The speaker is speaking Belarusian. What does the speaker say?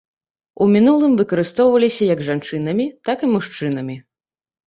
У мінулым выкарыстоўваліся як жанчынамі, так і мужчынамі.